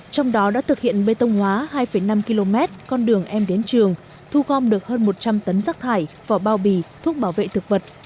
trong đó đã thực hiện bê tông hóa hai năm km con đường em đến trường thu gom được hơn một trăm linh tấn rác thải vỏ bao bì thuốc bảo vệ thực vật